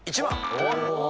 １番。